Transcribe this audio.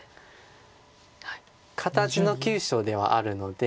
形の急所ではあるので。